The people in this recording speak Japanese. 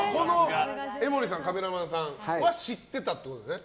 江森さん、カメラマンさんは知ってたってことですね？